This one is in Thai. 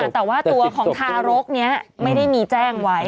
แต่ว่าตัวของทารกนี้ไม่ได้มีแจ้งไว้